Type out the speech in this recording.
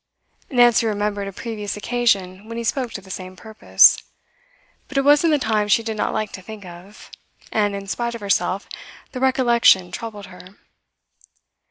Nancy remembered a previous occasion when he spoke to the same purpose. But it was in the time she did not like to think of, and in spite of herself the recollection troubled her.